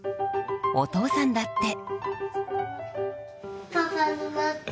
お父さんだって。